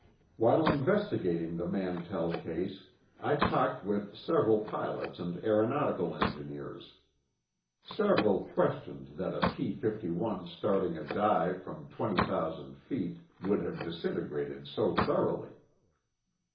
While investigating the Mantell case, I talked with several pilots and aeronautical engineers. Several questioned that a P 51 starting a dive from 20,000 feet would have disintegrated so thoroughly.